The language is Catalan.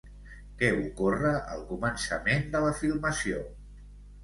Què ocorre al començament de la filmació?